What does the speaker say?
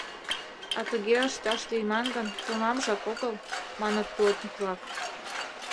— А тыге ышташ лийман гын, томамжак огыл, — маныт плотник-влак.